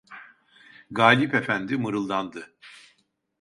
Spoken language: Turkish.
Galip efendi mırıldandı: